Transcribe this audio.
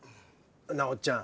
なあおっちゃん